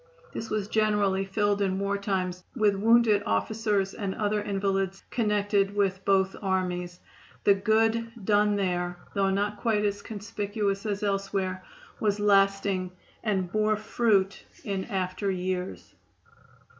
This was generally filled in war times with wounded officers and other invalids connected with both armies. The good done there, though not quite as conspicuous as elsewhere, was lasting, and bore fruit in after years.